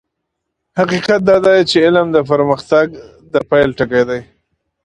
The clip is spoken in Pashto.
حقيقت دا دی چې علم د پرمختګ پيل ټکی دی.